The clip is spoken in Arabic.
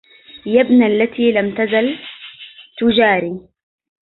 يا ابن التي لم تزل تجاري